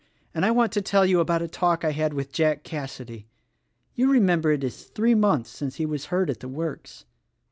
And I want to tell you about a talk I had with Jack Cassady. You remember it is three months since he was hurt at the works.